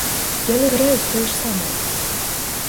Яны граюць тое ж самае.